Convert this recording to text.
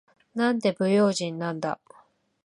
なんて不用心なんだ。